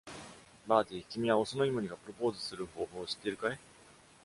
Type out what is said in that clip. バーティ、君はオスのイモリがプロポーズする方法を知っているかい？